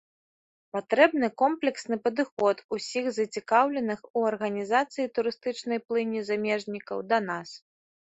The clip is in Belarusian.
Патрэбны комплексны падыход усіх зацікаўленых у арганізацыі турыстычнай плыні замежнікаў да нас.